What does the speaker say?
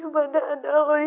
saya zegatlah denganmu